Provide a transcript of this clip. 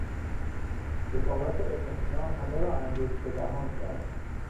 ذکاوت ابن سینا همه را انگشت به دهان کرد.